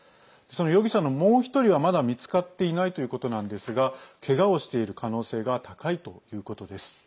容疑者のもう１人はまだ見つかっていないということなんですがけがをしている可能性が高いということです。